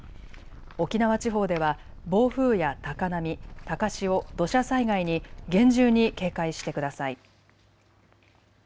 沖縄地方では暴風や高波、高潮、土砂災害に厳重に警戒してください。